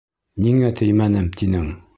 Ниңә теймәнем тинең?